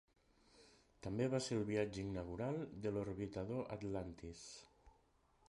També va ser el viatge inaugural de l'orbitador "Atlantis".